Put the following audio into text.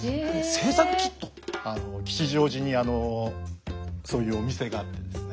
吉祥寺にそういうお店があってですね